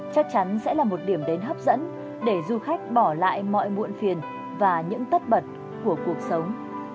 chắc chắn sẽ là một điểm đến hấp dẫn để du khách bỏ lại mọi muộn phiền và những tất bật của cuộc sống